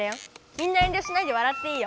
みんな遠りょしないでわらっていいよ。